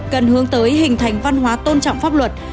cần hướng tới hình thành văn hóa tôn trọng pháp luật